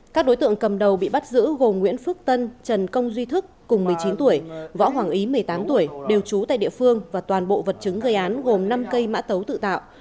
các đối tượng cầm đầu bị bắt giữ gồm nguyễn phước tân trần công duy thức cùng một mươi chín tuổi võ hoàng ý một mươi tám tuổi đều trú tại địa phương và toàn bộ vật chứng gây án gồm năm cây mã tấu tự tạo